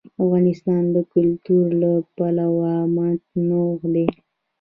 افغانستان د کلتور له پلوه متنوع دی.